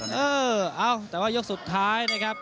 เออเอาแต่ว่ายกสุดท้ายนะครับ